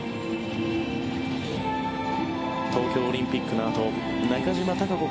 東京オリンピックのあと中島貴子